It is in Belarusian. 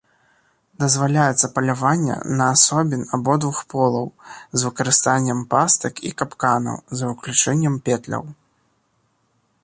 Дазваляецца паляванне на асобін абодвух полаў з выкарыстаннем пастак і капканаў, за выключэннем петляў.